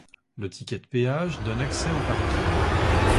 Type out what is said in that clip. Le ticket de péage donne accès au parking.